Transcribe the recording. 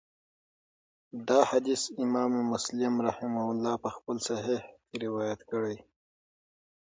دا حديث امام مسلم رحمه الله په خپل صحيح کي روايت کړی